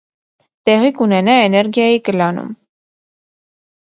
Տեղի կունենա էներգիայի կլանում։